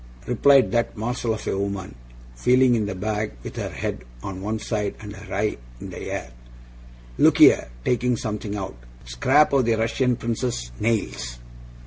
replied that morsel of a woman, feeling in the bag with her head on one side and her eye in the air. 'Look here!' taking something out. 'Scraps of the Russian Prince's nails.